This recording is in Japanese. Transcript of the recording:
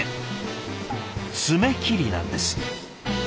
つめ切りなんです。